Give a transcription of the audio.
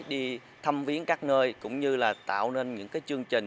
đi thăm viến các nơi cũng như là tạo nên những cái chương trình